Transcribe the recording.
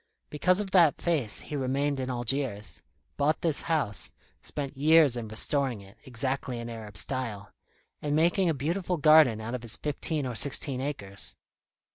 Because of that face he remained in Algiers, bought this house, spent years in restoring it, exactly in Arab style, and making a beautiful garden out of his fifteen or sixteen acres.